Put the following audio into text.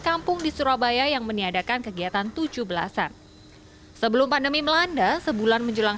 kampung di surabaya yang meniadakan kegiatan tujuh belas an sebelum pandemi melanda sebulan menjelang